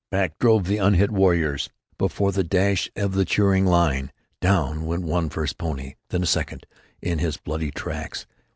Back drove the unhit warriors before the dash of the cheering line. Down went first one pony, then a second, in his bloody tracks.